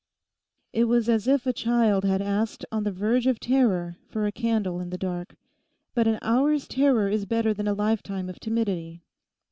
It was as if a child had asked on the verge of terror for a candle in the dark. But an hour's terror is better than a lifetime of timidity.